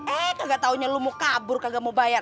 eh kagak taunya lu mau kabur kagak mau bayar